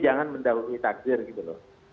jangan mendalui takdir gitu loh